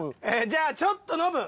じゃあちょっとノブ